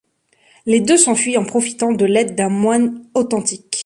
Les deux s'enfuient en profitant de l'aide d'un moine authentique.